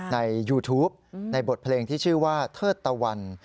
ในยูทูปในบทเพลงที่ชื่อว่าเทิดตะวัน